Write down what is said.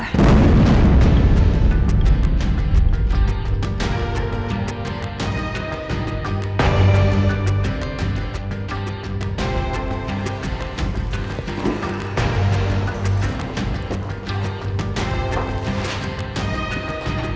aduh mati gue